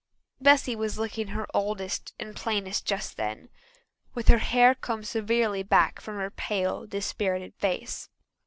Bessy was looking her oldest and plainest just then, with her hair combed severely back from her pale, dispirited face.